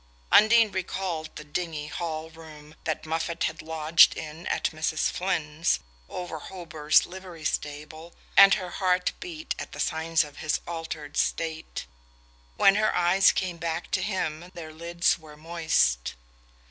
Undine recalled the dingy hall room that Moffatt had lodged in at Mrs. Flynn's, over Hober's livery stable, and her heart beat at the signs of his altered state. When her eyes came back to him their lids were moist.